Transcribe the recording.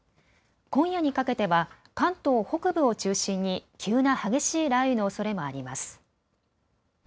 今夜にかけては関東北部を中心に急な激しい雷雨のおそれもあります。